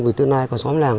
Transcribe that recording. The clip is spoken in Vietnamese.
của tương lai của xóm làm